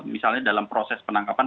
misalnya dalam proses penangkapan